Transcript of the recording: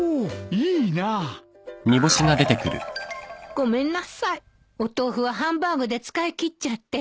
ごめんなさいお豆腐はハンバーグで使い切っちゃって。